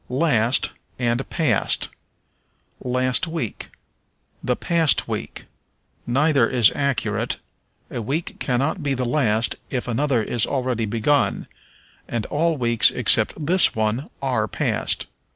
Last and Past. "Last week." "The past week." Neither is accurate: a week cannot be the last if another is already begun; and all weeks except this one are past.